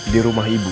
di rumah ibu